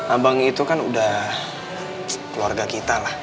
abang itu kan sudah keluarga kita